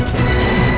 nih ga ada apa apa